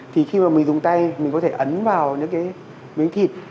thì khi mà mình dùng tay mình có thể ấn vào những cái miếng thịt